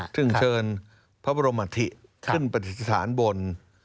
ซึ่งเชิญพระบรมธิขึ้นปฏิสถานบน